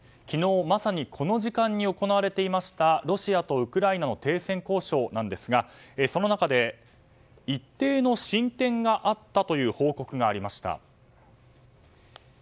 昨日、まさにこの時間に行われていましたロシアとウクライナの停戦交渉なんですがその中で、一定の進展があったという報告がありました。